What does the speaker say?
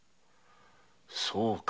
そうか。